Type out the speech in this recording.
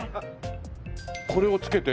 これを付けて？